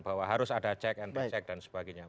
bahwa harus ada cek anti cek dan sebagainya